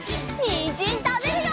にんじんたべるよ！